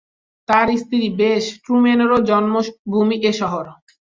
তার স্ত্রী বেস ট্রুম্যানের-ও জন্মভূমি এ শহর।